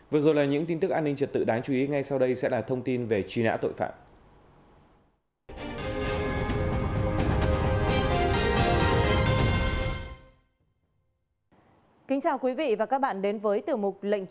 vừa rồi là những tin tức an ninh trật tự đáng chú ý ngay sau đây sẽ là thông tin về truy nã tội phạm